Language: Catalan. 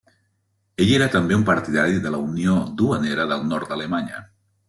Ell era també un partidari de la Unió Duanera del Nord d'Alemanya.